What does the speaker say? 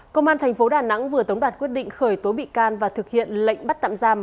công an thành phố đà nẵng vừa tống đạt quyết định khởi tố bị can và thực hiện lệnh bắt tạm giam